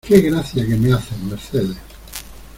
¡Qué gracia que me haces Mercedes!